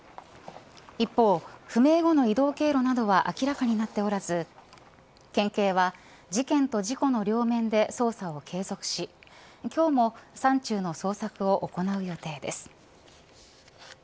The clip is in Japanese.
一方、不明後の移動経路などは明らかになってはおらず県警は事件と事故の両面で捜査を継続し今日も山中の捜索を行う予定です。